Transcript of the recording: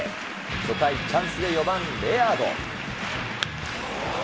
初回、チャンスで４番レアード。